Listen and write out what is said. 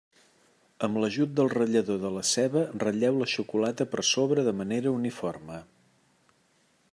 Amb l'ajut del ratllador de la ceba, ratlleu la xocolata per sobre de manera uniforme.